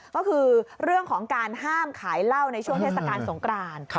ก็คือเรื่องของการห้ามขายเหล้าในช่วงเทศกาลสงกราน